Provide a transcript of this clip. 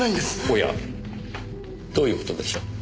おやどういう事でしょう？